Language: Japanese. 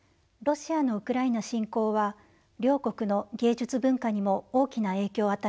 ロシアのウクライナ侵攻は両国の芸術文化にも大きな影響を与えました。